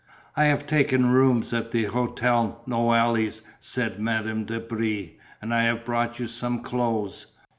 "I have taken rooms at the Hotel Noailles," said Madame de Brie, "and I have brought you some clothes.